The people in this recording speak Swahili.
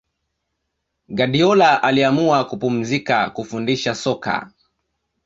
guardiola aliamua kupumzika kufundisha soka